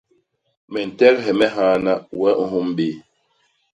Me ntehge me hana wee u nhôm bé.